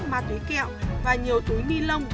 ma túy kẹo và nhiều túi ni lông